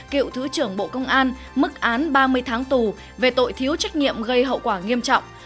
cựu thứ trưởng bộ công an mức án ba mươi tháng tù về tội thiếu trách nhiệm gây hậu quả nghiêm trọng